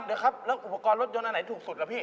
แล้วอุปกรณ์รถยนต์อันไหนถูกสุดล่ะพี่